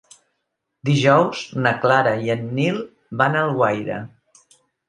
Dijous na Clara i en Nil van a Alguaire.